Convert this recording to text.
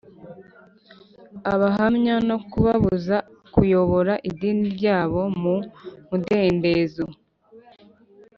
Abahamya no kubabuza kuyoboka idini ryabo mu mudendezo